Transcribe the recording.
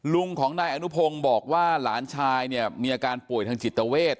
ลุงของนายอนุพงศ์บอกว่าหลานชายเนี่ยมีอาการป่วยทางจิตเวท